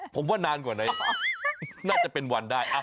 ผมว่านานกว่าไหนน่าจะเป็นวันได้